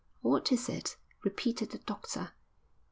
"What is it?" repeated the doctor.